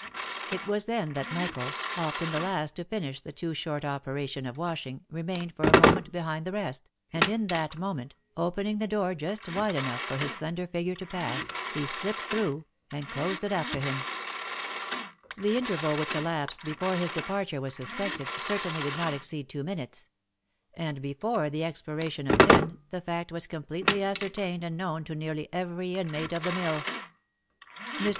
It was then that Michael, often the last to finish the too short operation of washing, remained for a moment behind the rest, and in that moment, opening the door just wide enough for his slender figure to pass, he slipped through, and closed it after him. The interval which elapsed before his departure was suspected, cer tainly did not exceed two minutes ; and before the expiration of ten, 288 THE LIFE AND ADVENTURES the fact was completely ascertained and known to nearly every inmate of the mill. Mr.